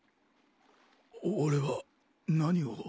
お俺は何を。